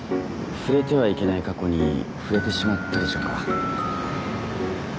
触れてはいけない過去に触れてしまったでしょうか？